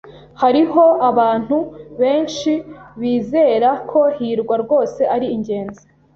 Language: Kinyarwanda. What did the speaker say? Hariho abantu benshi bizera ko hirwa rwose ari ingenzi.